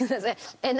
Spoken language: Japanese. えっ何？